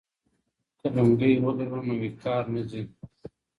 که لونګۍ ولرو نو وقار نه ځي.